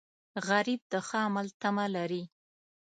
غریب د ښه عمل تمه لري